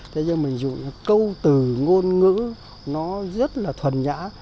thế nhưng mình dùng câu từ ngôn ngữ nó rất là thuần nhã